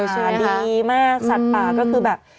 สัตว์ปลาดีมากสัตว์ปลาก็คือแบบ